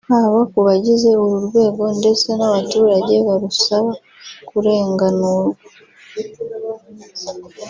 haba ku bagize uru rwego ndetse n’abaturage barusaba kurenganurwa